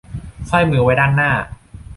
ไขว้มือไว้ด้านหน้า